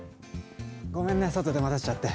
ごめんね、外で待たせちゃって。